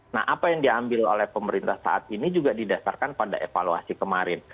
nah apa yang diambil oleh pemerintah saat ini juga didasarkan pada evaluasi kemarin